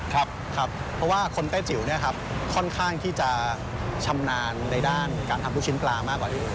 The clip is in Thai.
เพราะว่าคนแต้จิ๋วค่อนข้างที่จะชำนาญในด้านการทำลูกชิ้นปลามากกว่าอื่น